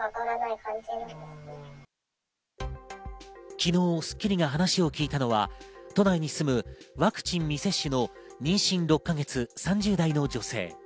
昨日『スッキリ』が話を聞いたのは都内に住むワクチン接種の妊娠６か月、３０代の女性。